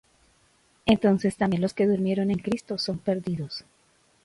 Entonces también los que durmieron en Cristo son perdidos.